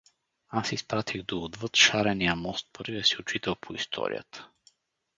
Аз изпратих до отвъд Шарения мост първия си учител по историята.